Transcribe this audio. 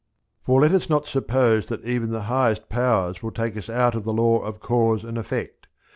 For let us not suppose that even the highest powers will take us out of the law of cause and effect.